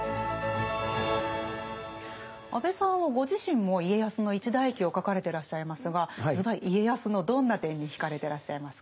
安部さんはご自身も家康の一代記を書かれてらっしゃいますがズバリ家康のどんな点に惹かれてらっしゃいますか？